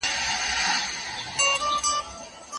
که اراده نه وي زړونه نه قانع کیږي.